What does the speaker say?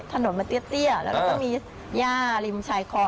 ถนนมันเตี้ยแล้วก็มีย่าริมชายคอ